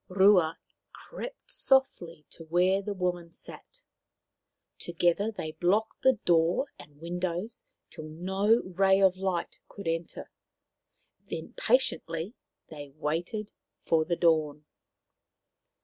Rua crept softly to where the woman sat. To gether they blocked the door and windows till no ray of light could enter. Then patiently they waited for the dawn.